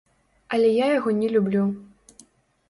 Але я яго не люблю.